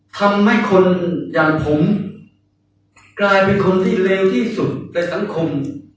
ทำให้คนอย่างผมกลายเป็นคนที่รีย๔๐๑ถิ่นสูตรในสังคม